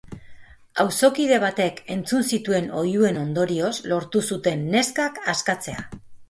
Auzokide batek entzun zituen oihuen ondorioz lortu zuten neskak askatzea.